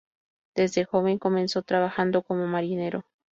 Desde joven comenzó trabajando como marinero.